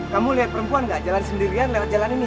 kamu lihat perempuan gak jalan sendirian lewat jalan ini